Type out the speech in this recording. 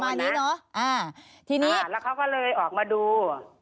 ประมาณนี้เนอะอ่าแล้วเขาก็เลยออกมาดู